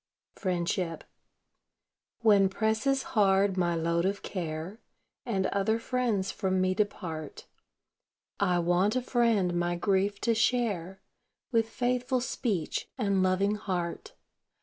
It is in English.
FRIENDSHIP When presses hard my load of care, And other friends from me depart, I want a friend my grief to share, With faithful speech and loving heart.